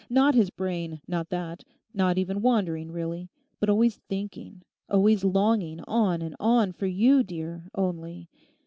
Not his brain, not that, not even wandering; really: but always thinking, always longing on and on for you, dear, only.